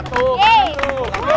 satu dua tiga